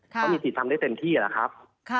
เขามีสิทธิ์ทำได้เต็มที่แหละครับ